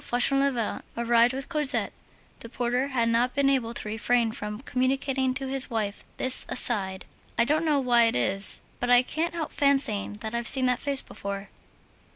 Fauchelevent arrived with Cosette, the porter had not been able to refrain from communicating to his wife this aside: "I don't know why it is, but I can't help fancying that I've seen that face before."